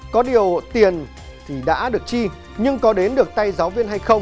có điều tiền thì đã được chi nhưng có đến được tay giáo viên hay không